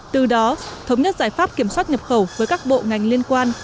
từ đó thống nhất giải pháp kiểm soát nhập khẩu với các bộ ngành liên quan